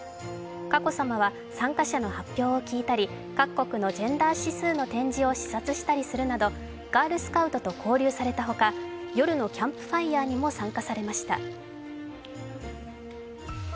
佳子さまは参加者の発表を聞いたり、各国のジェンダー指数の展示を視察したりするなどガールスカウトと交流されたほか夜のキャンプファイヤーにも参加されました。